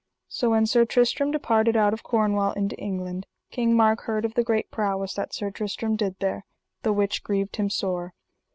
So when Sir Tristram departed out of Cornwall into England King Mark heard of the great prowess that Sir Tristram did there, the which grieved him sore.